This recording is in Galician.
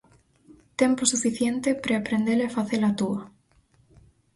Tempo suficiente pre aprehendela e facela túa.